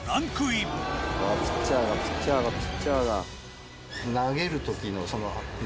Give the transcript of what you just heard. ピッチャーだピッチャーだピッチャーだ。